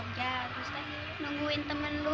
terus nungguin temen lu